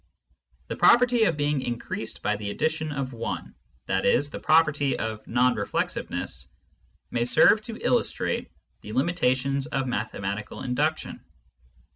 The property of being increased by the addition of I — Le. the property of non reflexiveness — may serve to illustrate the limitations of mathematical induction.